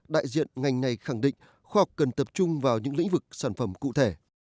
đại diện ngành này khẳng định khoa học cần tập trung vào những lĩnh vực sản phẩm cụ thể